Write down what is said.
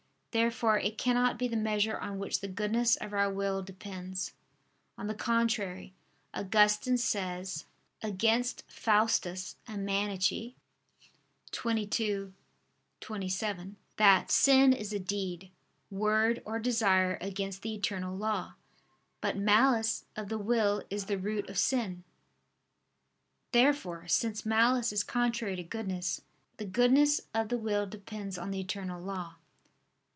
Therefore it cannot be the measure on which the goodness of our will depends. On the contrary, Augustine says (Contra Faust. xxii, 27) that "sin is a deed, word or desire against the eternal law." But malice of the will is the root of sin. Therefore, since malice is contrary to goodness, the goodness of the will depends on the eternal law.